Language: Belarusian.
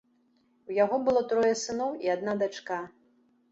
У яго было трое сыноў і адна дачка.